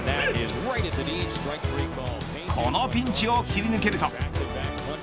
このピンチを切り抜けると。